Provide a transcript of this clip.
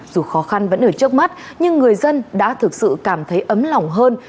dù khó khăn vẫn ở trước mắt nhưng người dân đã thực sự cảm thấy ấm lòng hơn